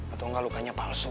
atau engga lukanya palsu